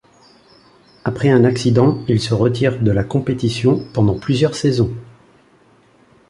Après un accident, il se retire de la compétition pendant plusieurs saisons.